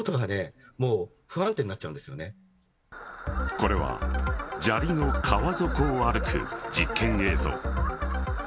これは砂利の川底を歩く実験映像。